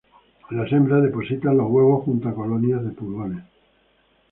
Las hembras depositan los huevos junto a colonias de pulgones.